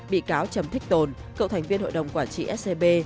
bị cáo trầm thích tồn cựu thành viên hội đồng quản trị scb